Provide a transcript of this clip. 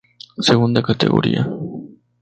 Segunda categoría.